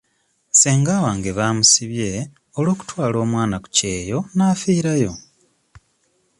Ssenga wange baamusibye olw'okutwala omwana ku kyeyo n'afiirayo.